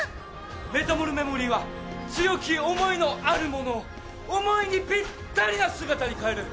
メタモルメモリーは強き想いのある者を想いにピッタリな姿に変える！